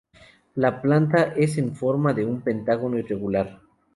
La planta es en forma de un pentágono irregular.